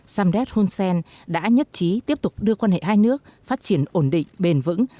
samdet hunsen đã nhất trí tiếp tục đưa quan hệ hai nước phát triển ổn định bền vững